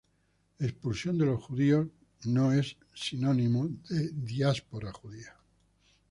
Expulsión de los judíos no es sinónimo de diáspora judía.